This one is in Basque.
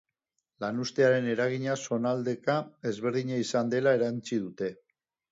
Lanuztearen eragina zonaldeka ezberdina izan dela erantsi dute.